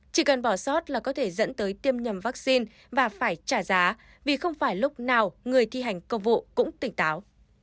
chỉ cần bỏ sót là có thể dẫn tới tiêm nhầm vaccine và phải trả giá vì không phải lúc nào người thi hành công vụ cũng tỉnh táo